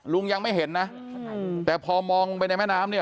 ลุงยังไม่เห็นนะแต่พอมองลงไปในแม่น้ำเนี่ย